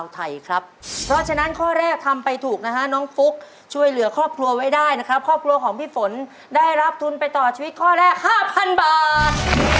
ตัวคาตูนไปต่อชีวิตข้อแรก๕๐๐๐บาท